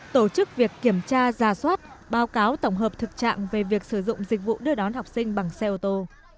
tổ chức việc kiểm tra ra soát báo cáo tổng hợp thực trạng về việc sử dụng dịch vụ đưa đón học sinh bằng xe ô tô